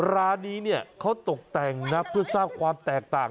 ร้านนี้เขาตกแต่งนักเพื่อทราบความแตกต่าง